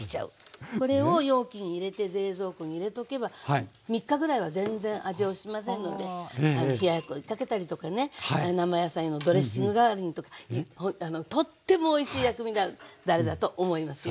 これを容器に入れて冷蔵庫に入れとけば３日ぐらいは全然味落ちませんので冷ややっこにかけたりとかね生野菜のドレッシング代わりにとかとってもおいしい薬味だれだと思いますよ。